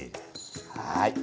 はい。